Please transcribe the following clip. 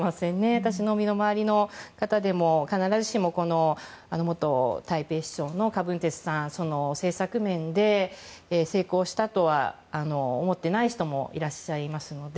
私の身の回りの方でも必ずしも、この元台北市長のカ・ブンテツさん、政策面で成功したとは思ってない人もいらっしゃいますので。